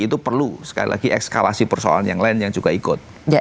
itu perlu sekali lagi ekskalasi persoalan yang lain yang juga ikut